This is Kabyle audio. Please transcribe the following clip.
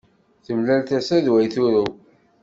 Temlal tasa d way turew